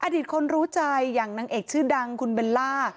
ตคนรู้ใจอย่างนางเอกชื่อดังคุณเบลล่า